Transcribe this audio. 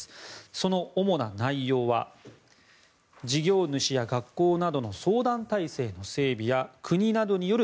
その主な内容は事業主や学校などの相談体制の整備や国などによる